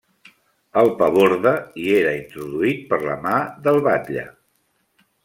El paborde hi era introduït per la mà del batlle.